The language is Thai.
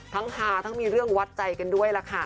ฮาทั้งมีเรื่องวัดใจกันด้วยล่ะค่ะ